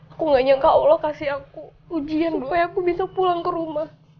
aku gak nyangka allah kasih aku ujian supaya aku bisa pulang ke rumah